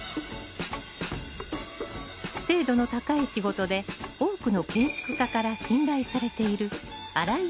精度の高い仕事で多くの建築家から信頼されている新井勇司さん